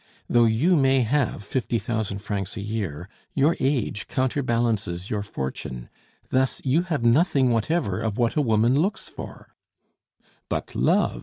Though you may have fifty thousand francs a year, your age counterbalances your fortune; thus you have nothing whatever of what a woman looks for " "But love!"